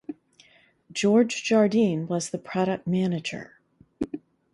George Jardine was the product manager.